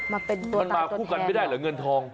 มันมาคู่กันไม่ได้หรือเงินทอง